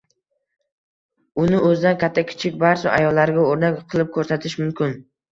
Uni o'zidan katta-kichik, barcha ayollarga o'rnak qilib ko'rsatish mumkin.